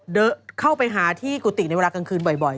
เดินเข้าไปหาที่กุฏิในเวลากลางคืนบ่อย